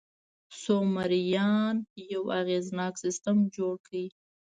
سومریان یو اغېزناک سیستم جوړ کړ.